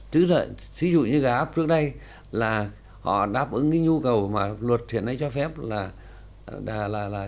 tí dụ như gà áp trước đây là họ đáp ứng cái nhu cầu mà luật hiện nay cho phép là